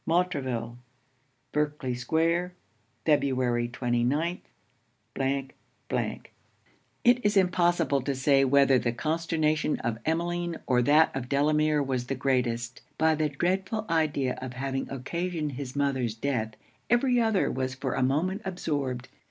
MONTREVILLE.' Berkley square, Feb. 29. It is impossible to say whether the consternation of Emmeline or that of Delamere was the greatest. By the dreadful idea of having occasioned his mother's death, every other was for a moment absorbed.